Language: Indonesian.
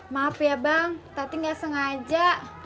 maaf ya bang tapi nggak sengaja